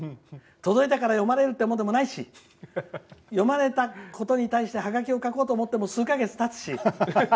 届いたから読まれるってものでもないし読まれたことに対してハガキを書こうと思っても数か月たつし。